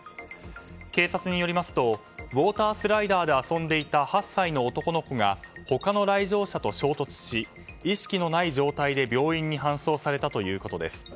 警察によりますとウォータースライダーで遊んでいた８歳の男の子が他の来場者と衝突し意識のない状態で病院に搬送されたということです。